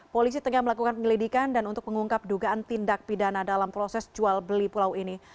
polisi tengah melakukan penyelidikan dan untuk mengungkap dugaan tindak pidana dalam proses jual beli pulau ini